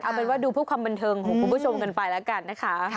เอาเป็นว่าดูเพื่อความบันเทิงของคุณผู้ชมกันไปแล้วกันนะคะ